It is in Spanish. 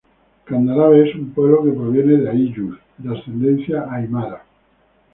Candarave es un pueblo que proviene de ayllus de ascendencia aymara.